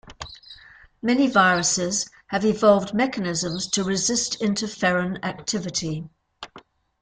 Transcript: Many viruses have evolved mechanisms to resist interferon activity.